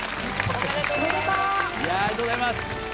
ありがとうございます。